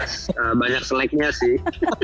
kita banyak seleknya sih